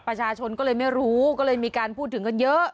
ประชาชนก็เลยไม่รู้ก็เลยมีการพูดถึงกันเยอะ